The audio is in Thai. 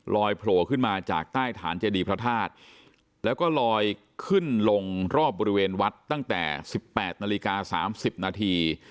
โผล่ขึ้นมาจากใต้ฐานเจดีพระธาตุแล้วก็ลอยขึ้นลงรอบบริเวณวัดตั้งแต่๑๘นาฬิกา๓๐นาที